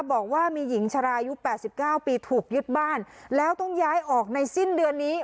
บอกว่ามีหญิงชรายุแปดสิบเก้าปีถูกยึดบ้านแล้วต้องย้ายออกในสิ้นเดือนนี้